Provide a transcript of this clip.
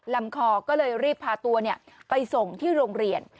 ลำคอก็เลยรีบพาตัวไปส่งที่โรงเรียน